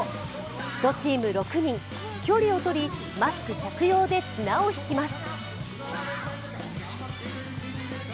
１チーム６人、距離をとりマスク着用で綱を引きます。